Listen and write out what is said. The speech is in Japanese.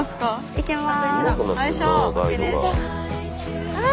いけます。